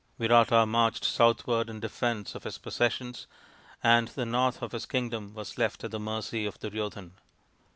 Virata marched southward in defence of his possessions, and the north of his kingdom was left at the mercy of Duryodhan.